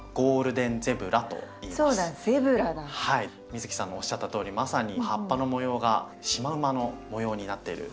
美月さんのおっしゃったとおりまさに葉っぱの模様がシマウマの模様になっている。